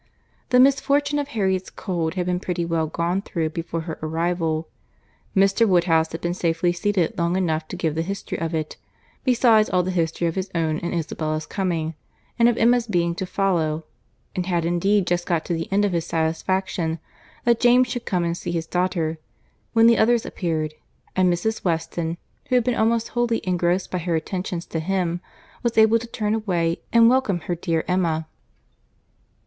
The misfortune of Harriet's cold had been pretty well gone through before her arrival. Mr. Woodhouse had been safely seated long enough to give the history of it, besides all the history of his own and Isabella's coming, and of Emma's being to follow, and had indeed just got to the end of his satisfaction that James should come and see his daughter, when the others appeared, and Mrs. Weston, who had been almost wholly engrossed by her attentions to him, was able to turn away and welcome her dear Emma.